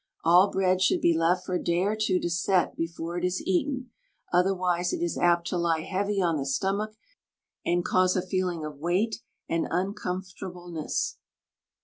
All bread should be left for a day or two to set before it is eaten, otherwise it is apt to lie heavy on the stomach and cause a feeling of weight and uncomfortableness.